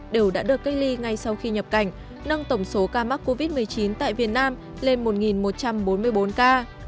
đều đã được cách ly ngay sau khi nhập cảnh nâng tổng số ca mắc covid một mươi chín tại việt nam lên một một trăm bốn mươi bốn ca